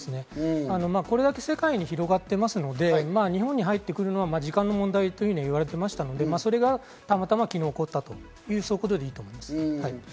これだけ世界に広がっていますので、日本に入ってくるのは時間の問題というふうに言われていましたので、たまたま昨、起こったということでいいと思います。